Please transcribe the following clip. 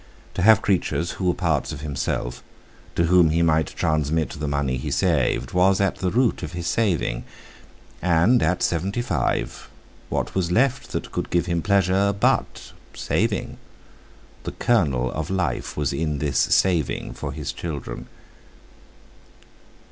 To have creatures who were parts of himself, to whom he might transmit the money he saved, was at the root of his saving; and, at seventy five, what was left that could give him pleasure, but—saving? The kernel of life was in this saving for his children.